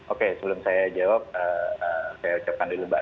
oke sebelum saya jawab saya ucapkan dulu mbak